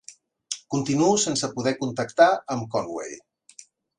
Continuo sense poder contactar amb Conway.